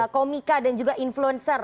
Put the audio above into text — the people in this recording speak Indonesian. komika dan juga influencer